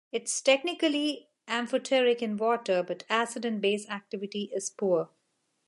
It is technically amphoteric in water, but acid and base activity is poor.